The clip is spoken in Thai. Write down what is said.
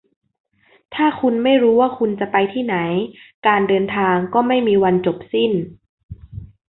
ถ้าคุณไม่รู้ว่าคุณจะไปที่ไหน การเดินทางก็ไม่มีวันจบสิ้น